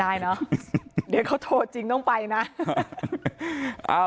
ได้เนอะเดี๋ยวเขาโทรจริงต้องไปนะ